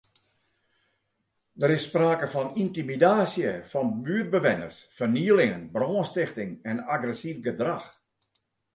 Der is sprake fan yntimidaasje fan buertbewenners, fernielingen, brânstichting en agressyf gedrach.